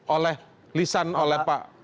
oleh lisan oleh pak